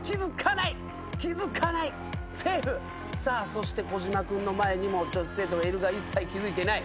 そして小島君の前にも女子生徒がいるが一切気付いていない。